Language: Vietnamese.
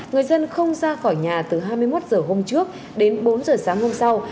người dân không ra khỏi nhà từ hai mươi một h hôm trước đến bốn h sáng hôm sau